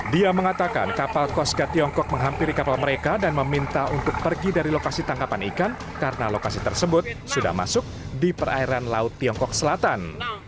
dia mengatakan kapal coast guard tiongkok menghampiri kapal mereka dan meminta untuk pergi dari lokasi tangkapan ikan karena lokasi tersebut sudah masuk di perairan laut tiongkok selatan